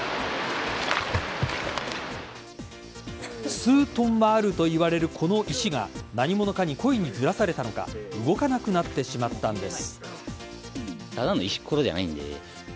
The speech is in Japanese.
数ｔはあるといわれるこの石が何者かに故意にずらされたのか動かなくなってしまったんです。